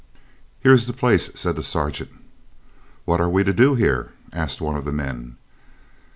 "Here is the place," said the sergeant. "What are we to do here?" asked one of the men.